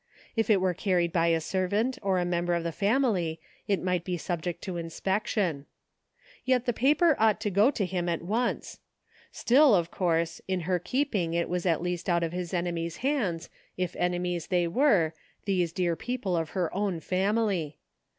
If it were carried by a servant or a member of the family it might be subject to in spection. Yet the paper ought to go to him at once. Still, of course, in her keeping it was at least out of his enemies' hands, if enemies they were, these dear people of her own family.